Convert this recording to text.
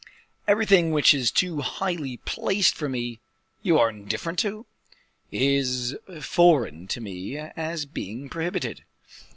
Everything which is too highly placed for me " "You are indifferent to?" "Is foreign to me, as being prohibited."